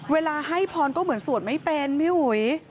เวลาให้พรก็เหมือนสวดไม่เป็นพี่อุ๋ย